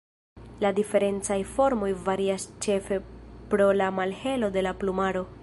La diferencaj formoj varias ĉefe pro la malhelo de la plumaro.